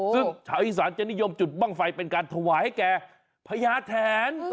ซึ่งชาวอีสานจะนิยมจุดบ้างไฟเป็นการถวายให้แก่พญาแทน